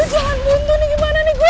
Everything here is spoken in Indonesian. aduh jangan bunuh nih gimana nih gue